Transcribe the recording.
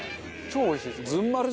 超おいしいですこれ。